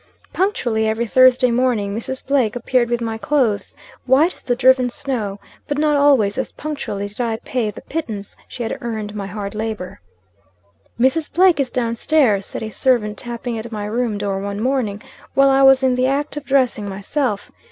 "Punctually, every Thursday morning, Mrs. Blake appeared with my clothes, 'white as the driven snow;' but, not always, as punctually, did I pay the pittance she had earned by hard labor. "'Mrs. Blake is down stairs,' said a servant tapping at my room door, one morning, while I was in the act of dressing myself.